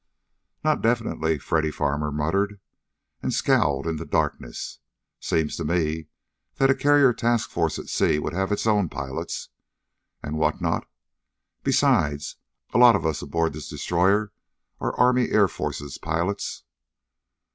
"Not definitely," Freddy Farmer muttered, and scowled in the darkness. "Seems to me that a carrier task force at sea would have its own pilots, and what not. Besides, a lot of us aboard this destroyer are Army Air Forces pilots."